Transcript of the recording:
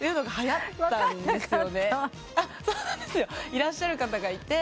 いらっしゃる方がいて。